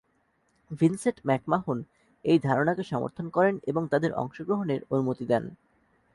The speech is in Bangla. ভিনসেন্ট ম্যাকমাহন এই ধারণাকে সমর্থন করেন এবং তাদের অংশগ্রহণের অনুমতি দেন।